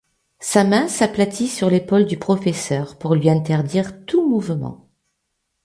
Sa main s’aplatit sur l’épaule du professeur, pour lui interdire tout mouvement!...